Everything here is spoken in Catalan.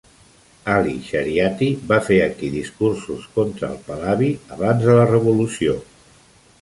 Ali Shariati va fer aquí discursos contra el pahlavi abans de la revolució.